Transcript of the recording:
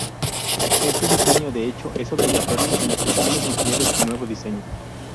Este diseño, de hecho, es obligatorio en las centrales nucleares de nuevo diseño.